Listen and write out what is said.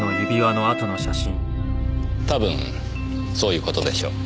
たぶんそういう事でしょう。